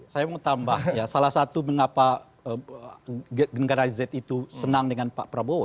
saya mau tambah salah satu mengapa generasi z itu senang dengan pak prabowo